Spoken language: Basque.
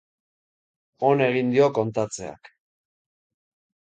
On egin dio kontatzeak.